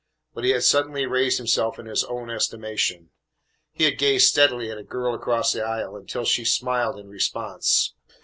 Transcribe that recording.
But he had suddenly raised himself in his own estimation. He had gazed steadily at a girl across the aisle until she had smiled in response.